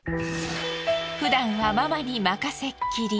ふだんはママに任せっきり。